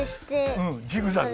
うんジグザグ？